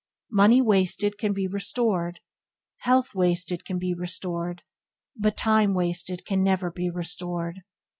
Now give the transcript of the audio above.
Money wasted can be restored; health wasted can be restored; but time wasted can never be restored.